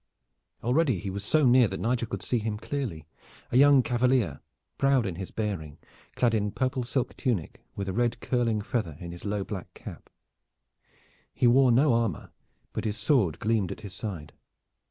Already he was so near that Nigel could see him clearly, a young cavalier, proud in his bearing, clad in purple silk tunic with a red curling feather in his low black cap. He wore no armor, but his sword gleamed at his side.